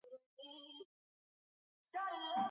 bonde la ngorongoro limefunikwa na misitu ya montane